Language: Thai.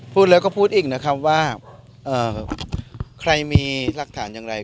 พูดแล้วก็พูดอีกนะครับว่าใครมีหลักฐานอย่างไร